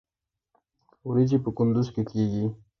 وریجې په کندز کې کیږي